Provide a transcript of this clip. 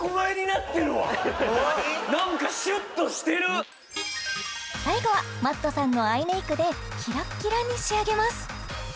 なんかシュッとしてる最後はＭａｔｔさんのアイメイクでキラッキラに仕上げます